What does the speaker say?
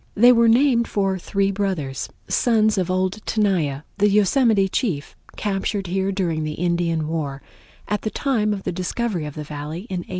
They were named for three brothers, sons of old Tenaya, the Yosemite chief, captured here during the Indian War, at the time of the discovery of the Valley in 1852.